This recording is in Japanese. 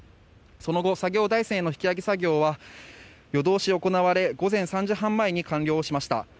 その後、作業台船への引き揚げ作業は夜通し行われ午前３時半前に完了しました。